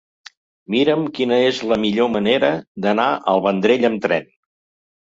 Mira'm quina és la millor manera d'anar al Vendrell amb tren.